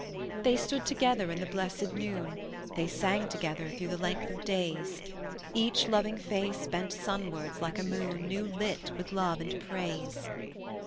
They stood together in the blessed noon, They sang together through the length of days; Each loving face bent Sunwards like a moon New lit with love and praise.